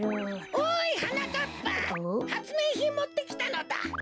・おいはなかっぱはつめいひんもってきたのだ。